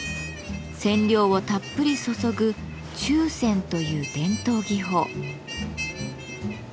染料をたっぷり注ぐ「注染」という伝統技法。